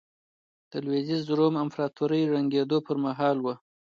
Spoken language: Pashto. د لوېدیځ روم امپراتورۍ ړنګېدو پرمهال وه.